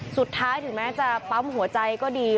สุดท้ายถึงแม้จะปั๊มหัวใจก็ดี